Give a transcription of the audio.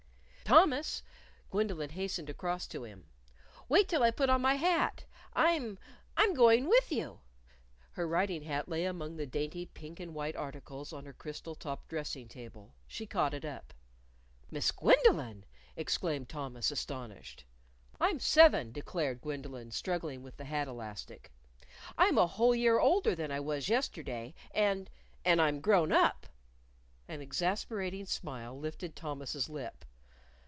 "Thomas!" Gwendolyn hastened across to him. "Wait till I put on my hat. I'm I'm going with you." Her riding hat lay among the dainty pink and white articles on her crystal topped dressing table. She caught it up. "Miss Gwendolyn!" exclaimed Thomas, astonished. "I'm seven," declared Gwendolyn, struggling with the hat elastic. "I'm a whole year older than I was yesterday. And and I'm grown up." An exasperating smile lifted Thomas's lip.